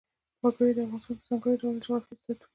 وګړي د افغانستان د ځانګړي ډول جغرافیه استازیتوب کوي.